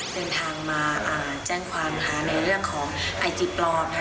เดินทางมาแจ้งความหาในเรื่องของไอจีปลอมนะคะ